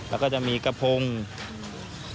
แล้วก็จะมีกระพง